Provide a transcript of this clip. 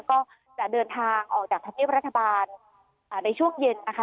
ก็จะเดินทางออกจากธรรมเนียบรัฐบาลในช่วงเย็นนะคะ